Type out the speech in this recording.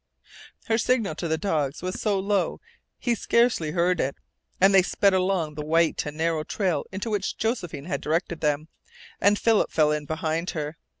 Her signal to the dogs was so low he scarcely heard it, and they sped along the white and narrow trail into which Josephine had directed them. Philip fell in behind her.